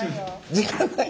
時間ない。